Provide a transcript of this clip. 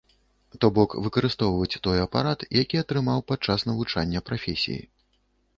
То бок выкарыстоўваць той апарат, які атрымаў падчас навучання прафесіі.